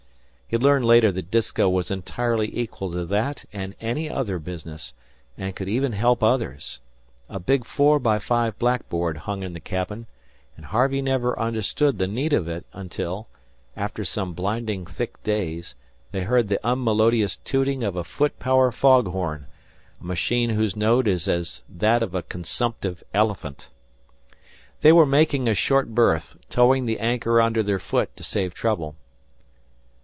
He learned later that Disko was entirely equal to that and any other business and could even help others. A big four by five blackboard hung in the cabin, and Harvey never understood the need of it till, after some blinding thick days, they heard the unmelodious tooting of a foot power fog horn a machine whose note is as that of a consumptive elephant. They were making a short berth, towing the anchor under their foot to save trouble.